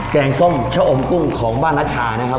แกงส้มชะอมกุ้งของบ้านนัชชานะครับ